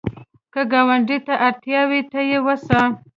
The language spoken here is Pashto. که ګاونډي ته اړتیا وي، ته یې وسه